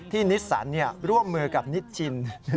นิสสันร่วมมือกับนิชชิน